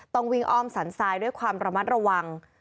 ต้องวิ่งอ้อมสันทรายด้วยความระมัดระวัง